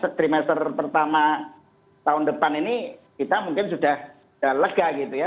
jadi trimester pertama tahun depan ini kita mungkin sudah lega gitu ya